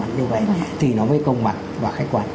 vâng như vậy thì nó mới công mặt và khách quan